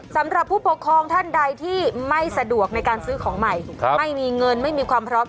สำหรับผู้ปกครองท่านใดที่ไม่สะดวกในการซื้อของใหม่ไม่มีเงินไม่มีความพร้อม